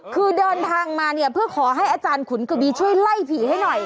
คือเดินทางมาเนี่ยเพื่อขอให้อาจารย์ขุนกบีช่วยไล่ผีให้หน่อย